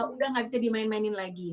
udah gak bisa dimainkan lagi